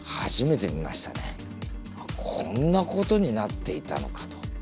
あっこんなことになっていたのかと。